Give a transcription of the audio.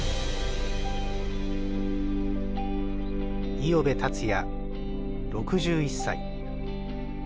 五百部達也６１歳。